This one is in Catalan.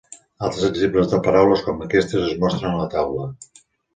Altres exemples de paraules com aquestes es mostren a la taula.